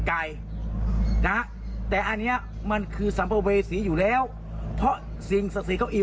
ไม่อยากให้แม่เป็นอะไรไปแล้วนอนร้องไห้แท่ทุกคืน